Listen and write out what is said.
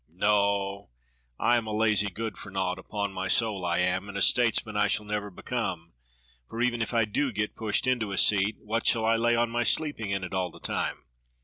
"No, I am a lazy good for nought, upon my soul I am, and a statesman I shall never become, for even if I do get pushed into a seat, what shall I lay on my sleep ing in it all the time.